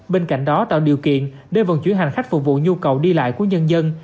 bên cạnh đó tạo điều kiện để vận chuyển hành khách phục vụ nhu cầu đi lại của nhân dân